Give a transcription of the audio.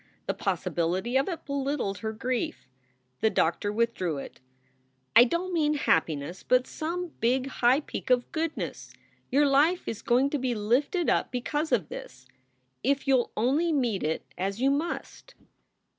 The possibility of it belittled her grief. The doctor withdrew it. "I don t mean happiness, but some big, high peak of goodness. Your life is going to be lifted up because of this, if you ll only meet it as you must."